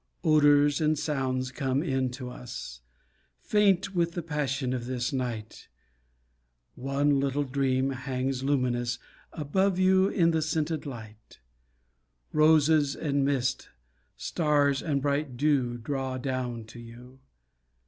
Odours and sounds come in to us, Faint with the passion of this night, One little dream hangs luminous Above you in the scented light; Roses and mist, stars and bright dew Draw down to you.